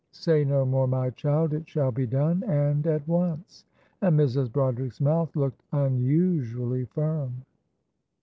"Say no more, my child, it shall be done, and at once," and Mrs. Broderick's mouth looked unusually firm.